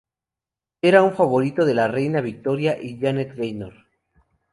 Era un favorito de la reina Victoria y Janet Gaynor.